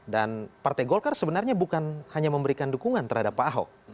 dan partai golkar sebenarnya bukan hanya memberikan dukungan terhadap pak ahok